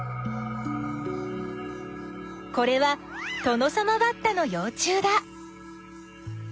これはトノサマバッタのよう虫だ。